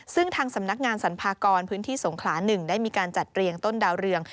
ซึ่งทางสำนักงานสรรพากรพื้นที่สงขลา๑ได้มีการจัดเรียงต้นดาวเรือง